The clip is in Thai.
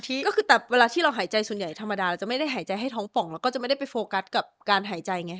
ก็คือแต่เวลาที่เราหายใจส่วนใหญ่ธรรมดาเราจะไม่ได้หายใจให้ท้องป่องเราก็จะไม่ได้ไปโฟกัสกับการหายใจไง